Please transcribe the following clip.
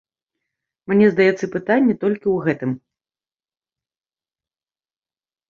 Мне здаецца, пытанне толькі ў гэтым.